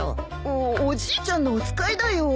おっおじいちゃんのお使いだよ。